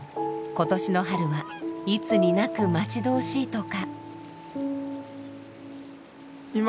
今年の春はいつになく待ち遠しいとか。